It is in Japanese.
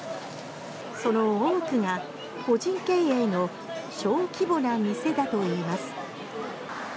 その多くが個人経営の小規模な店だといいます。